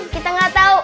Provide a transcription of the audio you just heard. kita gak tau